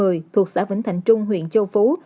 và bờ kênh một mươi thuộc xã vĩnh thạnh trung huyện châu phú